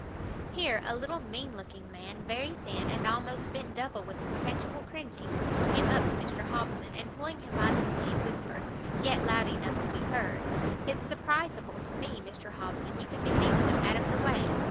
Here a little mean looking man, very thin, and almost bent double with perpetual cringing, came up to Mr Hobson, and pulling him by the sleeve, whispered, yet loud enough to be heard, "It's surprizeable to me, Mr Hobson, you can behave so out of the way!